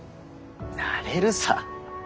なれるさ。